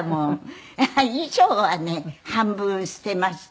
衣装はね半分捨てました。